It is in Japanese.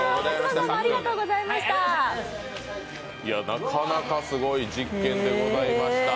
なかなかすごい実験でございました。